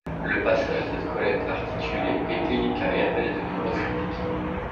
Le passage à cette collecte articulée est délicat et amène de nombreuses critiques.